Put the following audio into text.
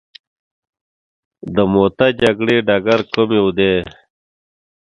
د موته جګړې ډګر کوم یو دی.